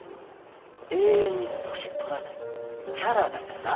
永遠に年取らないキャラだから。